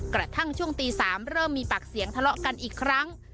กระทั่งช่วงตี๓เริ่มมีปากเสียงทะเลาะกันอีกครั้ง